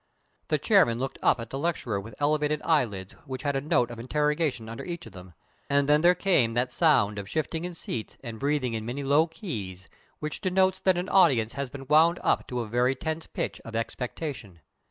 The chairman looked up at the lecturer with elevated eyelids which had a note of interrogation under each of them, and then there came that sound of shifting in seats and breathing in many low keys which denotes that an audience has been wound up to a very tense pitch of expectation.